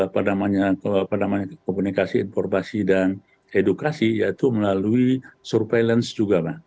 pendamanya komunikasi informasi dan edukasi yaitu melalui surveillance juga